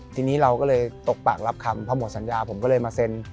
ทีนี้เราก็เลยตกปากรับคำพอหมดสัญญาผมก็เลยมาเซ็น